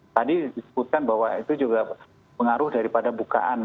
tadi disebutkan bahwa itu juga pengaruh daripada bukaan